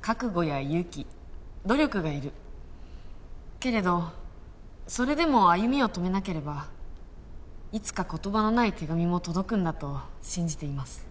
覚悟や勇気努力がいるけれどそれでも歩みを止めなければいつか言葉のない手紙も届くんだと信じています